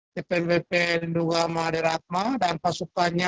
tpnpb nduga mahadiratma dan pasupannya